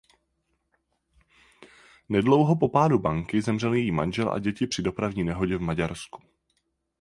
Nedlouho po pádu banky zemřel její manžel a děti při dopravní nehodě v Maďarsku.